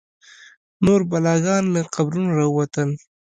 نور بلاګان له قبرونو راوتل.